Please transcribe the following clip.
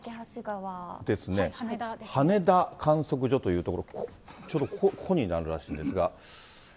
はねだ観測所という所、ちょうどここになるらしいんですが。